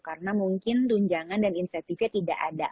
karena mungkin tunjangan dan insentifnya tidak ada